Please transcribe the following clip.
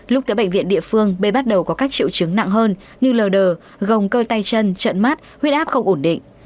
lúc tới bệnh viện địa phương bê bắt đầu có các triệu chứng nặng hơn như lờ đờ gồng cơi tay chân trận mắt huyết áp không ổn định